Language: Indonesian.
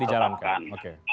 bisa ditaramkan oke